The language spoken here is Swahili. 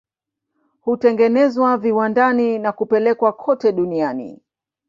Hutengenezwa viwandani na kupelekwa kote duniani.